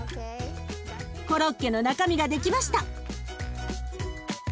コロッケの中身が出来ました。